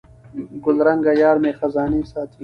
ګلرنګه یارمي خزانې ساتي